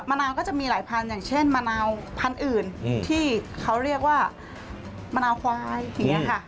นาวก็จะมีหลายพันธุ์อย่างเช่นมะนาวพันธุ์อื่นที่เขาเรียกว่ามะนาวควายอย่างนี้ค่ะ